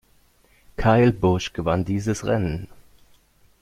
Kyle Busch gewann dieses Rennen.